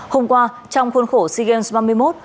hôm qua trong khuôn khổ sea games ba mươi một